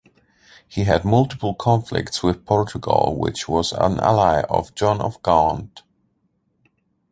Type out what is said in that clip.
He had multiple conflicts with Portugal which was an ally of John of Gaunt.